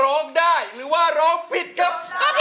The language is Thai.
ร้องได้หรือว่าร้องผิดครับ